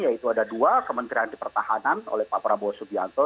yaitu ada dua kementerian antipertahanan oleh pak prabowo subianto